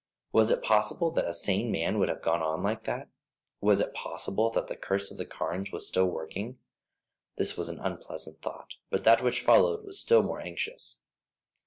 Was it possible that a sane man would have gone on like that? Was it possible that the curse of the Carnes was still working? This was an unpleasant thought; but that which followed was still more anxious.